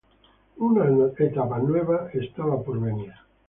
Una etapa nueva estaba por venir.